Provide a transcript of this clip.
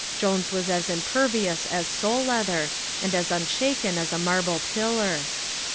Jones was as impervious as sole leather, and as unshaken as a marble pillar.